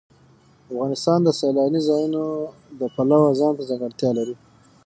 افغانستان د سیلانی ځایونه د پلوه ځانته ځانګړتیا لري.